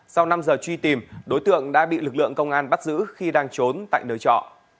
sau năm giờ truy tìm đối tượng đã bị lực lượng công an bắt giữ khi đang trốn tại nơi trọ